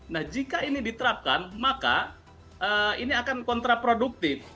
nah jika ini diterapkan maka ini akan kontraproduktif